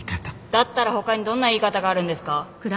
だったら他にどんな言い方があるんですか？